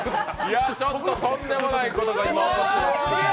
ちょっととんでもないことが今、起こってます。